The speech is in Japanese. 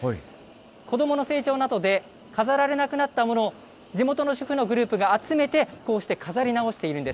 子どもの成長などで飾られなくなったものを、地元の主婦のグループが集めて、こうして飾り直しているんです。